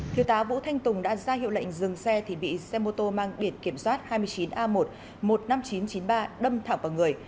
thiếu tá vũ thanh tùng đã ra hiệu lệnh dừng xe thì bị xe mô tô mang biển kiểm soát hai mươi chín a một một mươi năm nghìn chín trăm chín mươi ba đâm thẳng vào người